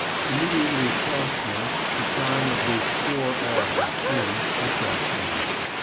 Immediately across them the sign of the "Four Alls" inn attracts notice.